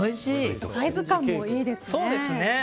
サイズ感もいいですね。